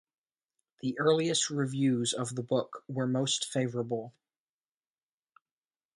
The earliest reviews of the book were most favourable.